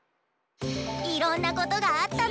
いろんなことがあったね。